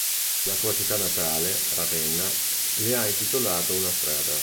La sua città natale, Ravenna, le ha intitolato una strada.